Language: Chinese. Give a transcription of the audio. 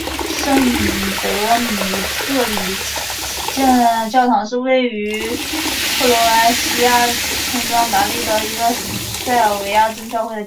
圣德米特里教堂是位于克罗埃西亚村庄达利的一个塞尔维亚正教会的教堂。